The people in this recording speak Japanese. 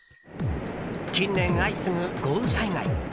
近年相次ぐ、豪雨災害。